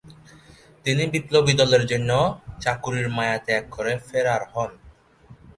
তিনি বিপ্লবী দলের জন্য চাকুরির মায়া ত্যাগ করে ফেরার হন।